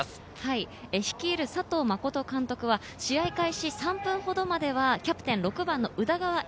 率いる佐藤実監督は試合開始３分ほどまではキャプテン、６番の宇田川瑛